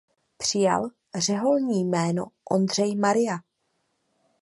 Přijal řeholní jméno Ondřej Maria.